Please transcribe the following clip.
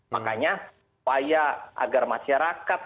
makanya agar masyarakat